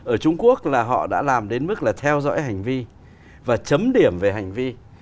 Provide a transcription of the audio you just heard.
ở trung quốc là họ đã làm đến mức là theo dõi hành vi và chấm điểm về hành vi